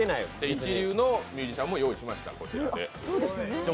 一流のミュージシャンも用意しました。